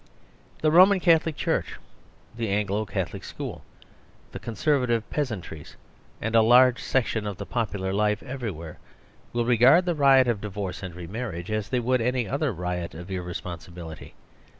1 he Roman Catholic Church, the Anglo Catholic school, the con servative peasantries, and a large section of the popular life everywhere, will regard the riot of divorce and re marriage as they would any other riot of irresponsibility.